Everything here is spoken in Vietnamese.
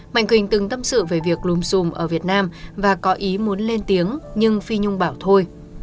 mạnh quỳnh từng tâm sự về việc lùm xùm ở việt nam và có ý muốn lên tiếng nhưng phi nhung bảo thôi